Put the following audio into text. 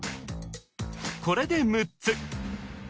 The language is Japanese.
これで６つ